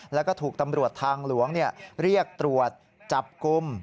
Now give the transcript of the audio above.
แล้วก็ถูกตำรวจทางหลวงเรียกตรวจจับกลุ่ม